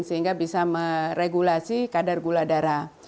sehingga bisa meregulasi kadar gula darah